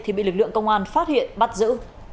thì bị lực lượng công an phát hiện bắt giữ